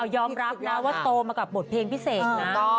พี่การรับนะว่าโตมากับบทเพลงพี่เสกนะ